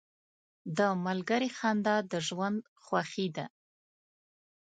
• د ملګري خندا د ژوند خوښي ده.